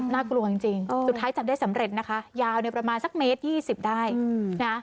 น่ากลัวจริงสุดท้ายจับได้สำเร็จนะคะยาวเนี่ยประมาณสักเมตร๒๐ได้นะ